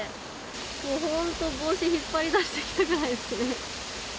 もう本当、帽子引っ張り出してきたぐらいですね。